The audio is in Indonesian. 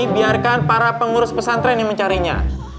biarkan para pengurus pesantren yang mencarinya